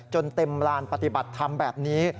จนเต็มลานปฏิบัติธรรมแบบนี้